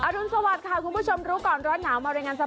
รุนสวัสดิ์ค่ะคุณผู้ชมรู้ก่อนร้อนหนาวมารายงานสด